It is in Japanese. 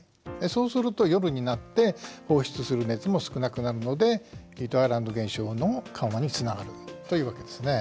そうすると夜になって放出する熱も少なくなるのでヒートアイランド現象の緩和につながるというわけですね。